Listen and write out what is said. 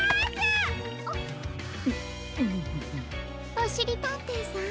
おしりたんていさん